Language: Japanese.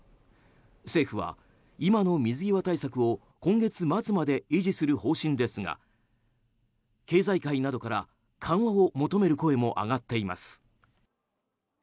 政府は今の水際対策を今月末まで維持する方針ですが経済界などから緩和を求める声も上がっています。